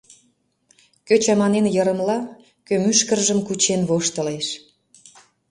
Кӧ чаманен йырымла, кӧ мӱшкыржым кучен воштылеш.